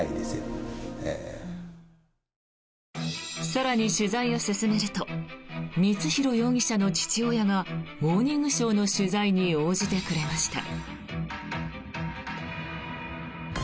更に取材を進めると光弘容疑者の父親が「モーニングショー」の取材に応じてくれました。